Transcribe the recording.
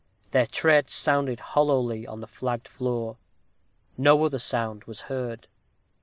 Their tread sounded hollowly on the flagged floor; no other sound was heard.